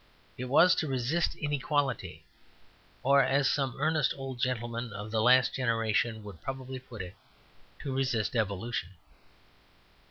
It was to resist inequality or, as some earnest old gentlemen of the last generation would probably put it, to resist evolution.